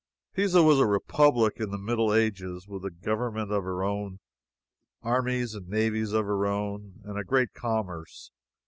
Pisa was a republic in the middle ages, with a government of her own, armies and navies of her own and a great commerce.